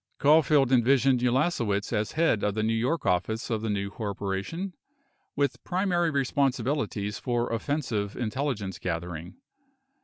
Caulfield envisioned Ulasewicz as head of the New York office of the new corporation, with primary responsibilities for offensive intelligence gathering.